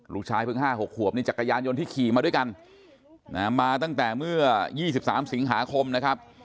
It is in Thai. ลูกชายเพิ่ง๕๖ขวบนี่จักรยานยนต์ที่ขี่มาด้วยกันมาตั้งแต่เมื่อ๒๓สิงหาคมนะครับ